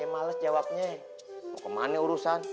mau kemana urusan